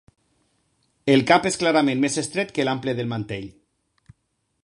El cap és clarament més estret que l'ample del mantell.